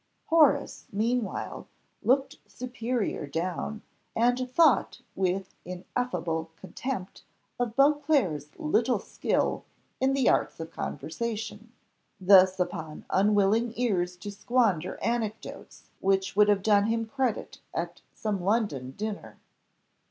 Horace, meanwhile, looked superior down, and thought with ineffable contempt of Beauclerc's little skill in the arts of conversation, thus upon unwilling ears to squander anecdotes which would have done him credit at some London dinner.